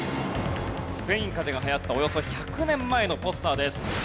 スペインかぜが流行ったおよそ１００年前のポスターです。